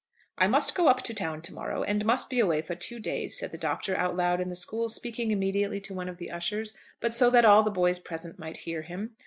"I must go up to town to morrow, and must be away for two days," said the Doctor out loud in the school, speaking immediately to one of the ushers, but so that all the boys present might hear him.